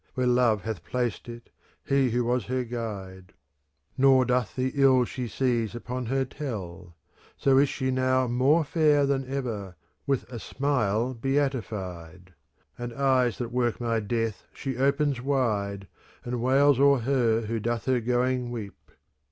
Where Love hath placed it, he who was her guide; Nor doth the ill she sees upon her tell : So is she now more fair Than ever, with a smile beatified: And eyes that work my death she opens wide. And wails o'er her who doth her going weep.